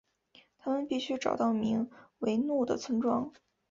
他们必须找到名为怒的村庄。